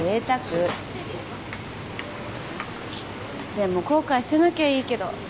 でも後悔してなきゃいいけど。